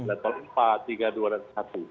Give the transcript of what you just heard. dari tahun empat tiga dua dan satu